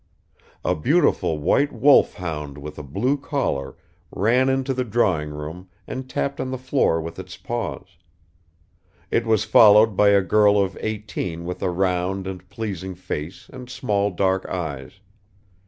A beautiful white wolfhound with a blue collar ran into the drawing room and tapped on the floor with its paws; it was followed by a girl of eighteen with a round and pleasing face and small dark eyes.